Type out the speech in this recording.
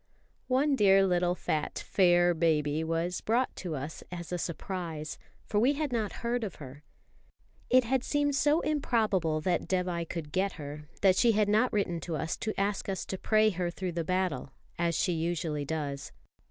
One dear little fat "fair" baby was brought to us as a surprise, for we had not heard of her. It had seemed so improbable that Dévai could get her, that she had not written to us to ask us to pray her through the battle, as she usually does.